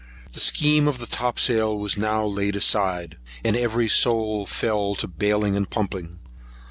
The scheme of the topsail was now laid aside, and every soul fell to baling and pumping.